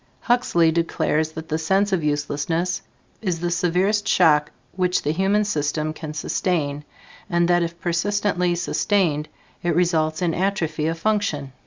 Huxley declares that the sense of uselessness is the severest shock which the human system can sustain, and that if persistently sustained, it results in atrophy of function.